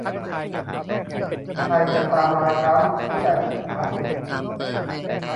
ไทยจะตามรอยเท้าลูกพี่ใหญ่ไหม